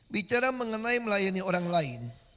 bicara mengenai melayani orang lain